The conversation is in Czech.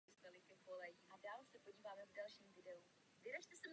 Každá rasa má jedinečné speciální schopnosti a různé náklady spojené s akcemi.